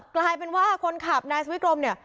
กลายเป็นว่าคนขับนายสวิกรมเนี่ย